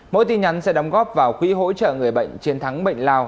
mỗi tin nhắn sẽ đóng góp vào quy hỗ trợ người bệnh chiến thắng bệnh lao